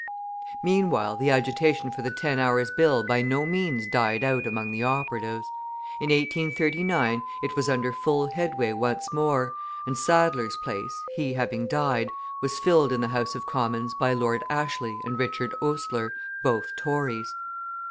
Meanwhile the agitation for the Ten Hours' Bill by no means died out among the operatives; in 1839 it was under full headway once more, and Sadler's place, he having died, was filled in the House of Commons by Lord Ashley and Richard Oastler, both Tories.